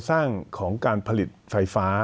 อันนี้ก็เจอการผลิตไฟฟ้า